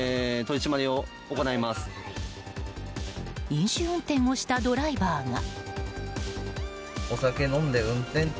飲酒運転をしたドライバーが。